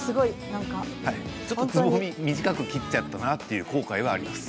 ちょっとつぼみを短く切ってしまったなという後悔はあります。